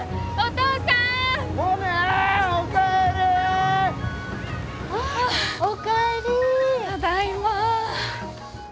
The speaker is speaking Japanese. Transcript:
ただいま。